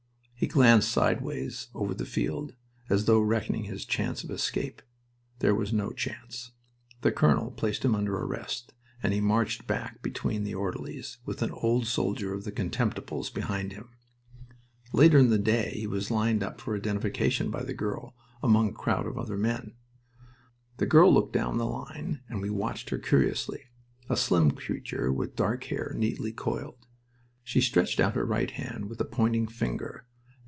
He glanced sideways over the field, as though reckoning his chance of escape. There was no chance. The colonel placed him under arrest and he marched back between the orderlies, with an old soldier of the Contemptibles behind him. Later in the day he was lined up for identification by the girl, among a crowd of other men. The girl looked down the line, and we watched her curiously a slim creature with dark hair neatly coiled. She stretched out her right hand with a pointing finger.